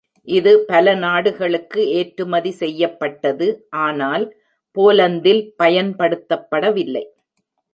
இது பல நாடுகளுக்கு ஏற்றுமதி செய்யப்பட்டது, ஆனால் போலந்தில் பயன்படுத்தப்படவில்லை.